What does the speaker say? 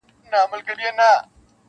چي تلو تلو کي معنا ستا د کتو اوړي-